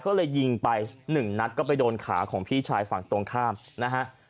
ก็เลยยิงไปหนึ่งนัดก็ไปโดนขาของพี่ชายฝั่งตรงข้ามนะฮะ